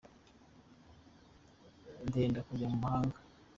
Ndenda kujya mu mahanga.